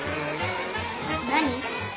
何？